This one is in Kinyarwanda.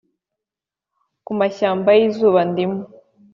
ku mashyamba yizuba ndimo.